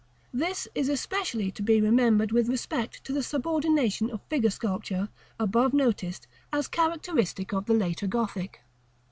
This is especially to be remembered with respect to the subordination of figure sculpture above noticed as characteristic of the later Gothic.